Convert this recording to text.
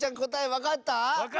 わかった！